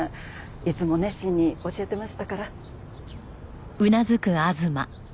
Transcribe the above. いつも熱心に教えてましたから。